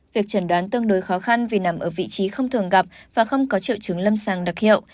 việc chẩn đoán tương đối khó khăn vì nằm ở vị trí không thường gặp và không có triệu trứng lâm sang đặc hiệu